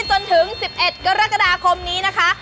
จนถึง๑๑กรกฎาคมนี้นะคะ